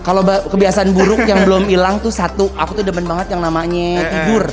kalau kebiasaan buruk yang belum hilang tuh satu aku tuh demen banget yang namanya hibur